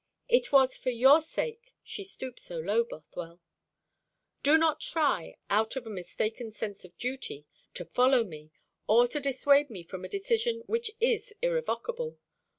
It was for your sake she stooped so low, Bothwell. "Do not try out of a mistaken sense of duty to follow me, or to dissuade me from a decision which is irrevocable.